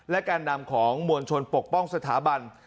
และการนำของมวลชนปกป้องสถาบัน